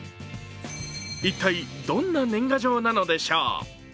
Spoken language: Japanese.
一体どんな年賀状なのでしょう？